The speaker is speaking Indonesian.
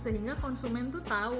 sehingga konsumen tuh tahu